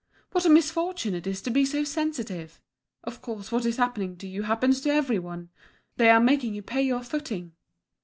What a misfortune it is to be so sensitive! Of course, what is happening to you happens to every one; they are making you pay your footing."